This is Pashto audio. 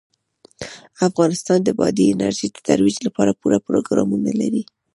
افغانستان د بادي انرژي د ترویج لپاره پوره پروګرامونه لري.